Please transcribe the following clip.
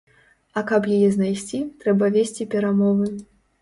А каб яе знайсці, трэба весці перамовы.